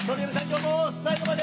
今日も最後まで。